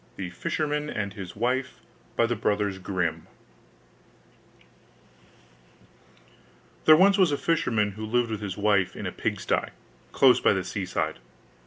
THE FISHERMAN AND HIS WIFE There was once a fisherman who lived with his wife in a pigsty, close by the seaside.